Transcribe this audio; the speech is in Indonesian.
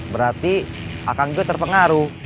berarti akang gue terpengaruh